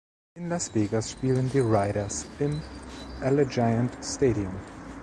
In Las Vegas spielen die Raiders im Allegiant Stadium.